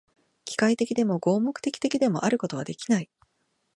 機械的でも、合目的的でもあることはできない。